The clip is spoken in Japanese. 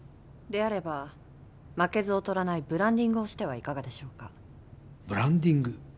であれば負けず劣らないブランディングをしてはいかがでしょうかブランディング？